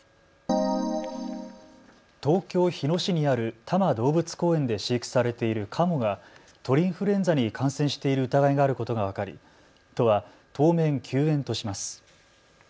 東京日野市にある多摩動物公園で飼育されているカモが鳥インフルエンザに感染している疑いがあることが分かり都は当面、休園とします。